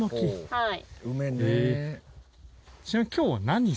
はい。